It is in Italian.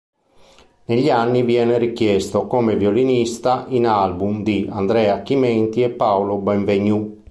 Negli anni viene richiesto come violinista in album di Andrea Chimenti e Paolo Benvegnù.